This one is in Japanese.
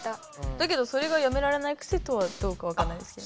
だけどそれがやめられないくせとはどうかわかんないですけど。